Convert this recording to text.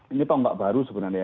ini tongkat baru sebenarnya